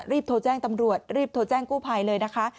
รีบโทรแจ้งตำรวจรีบโทรแจ้งกู้ภัยเลยนะคะ